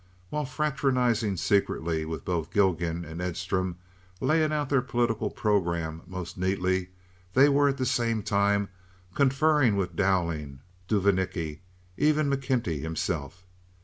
While fraternizing secretly with both Gilgan and Edstrom, laying out their political programme most neatly, they were at the same time conferring with Dowling, Duvanicki, even McKenty himself.